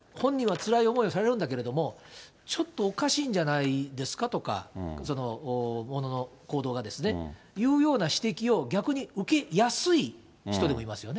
だから、本人はつらい思いをされるんだけれども、ちょっとおかしいんじゃないですかとか、その、ものの行動がですね、というような指摘を逆に受けやすい人でもいますよね。